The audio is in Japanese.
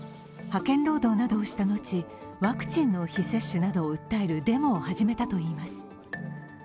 派遣労働などをした後、ワクチンの非接種などを訴えるデモを始めたといいます。